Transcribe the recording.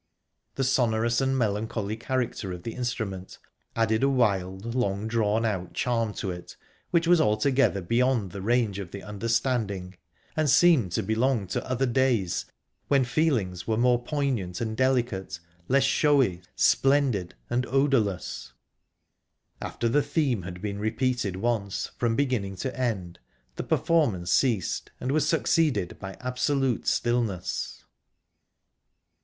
The sonorous and melancholy character of the instrument added a wild, long drawn out charm to it which was altogether beyond the range of the understanding and seemed to belong to other days, when feelings were more poignant and delicate, less showy, splendid, and odourless...After the theme had been repeated once, from beginning to end, the performance ceased, and was succeeded by absolute stillness.